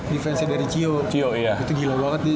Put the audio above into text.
defense nya dari cio itu gila banget